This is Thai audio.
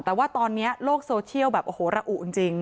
แต่ว่าตอนนี้โลกโซเชียลแบบโอ้โหระอุจริง